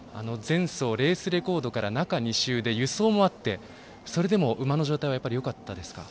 前走、レースレコードから中２週で輸送もあってそれでも馬の状態はよかったですか？